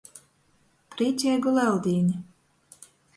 Prīceigu Leldīni!